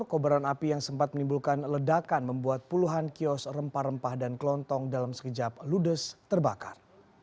kobaran api yang sempat menimbulkan ledakan membuat puluhan kios rempah rempah dan kelontong dalam sekejap ludes terbakar